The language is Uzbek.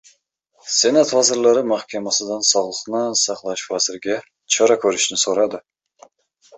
Senat Vazirlar Mahkamasidan sog‘liqni saqlash vaziriga chora ko‘rishni so‘radi